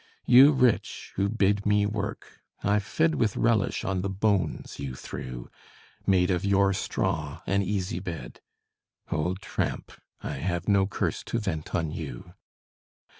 You rich, who bade me work, I've fed With relish on the bones you threw; Made of your straw an easy bed: Old tramp, I have no curse to vent on you.